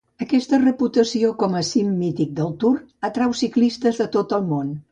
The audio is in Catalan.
Aquesta reputació com a cim mític del Tour atrau ciclistes de tot el món.